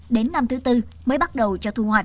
đến năm thứ tư mới bắt đầu cho thu hoạch